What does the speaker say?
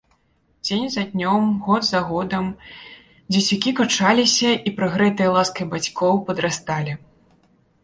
Дзень за днём, год за годам дзецюкі качаліся і, прыгрэтыя ласкай бацькоў, падрасталі.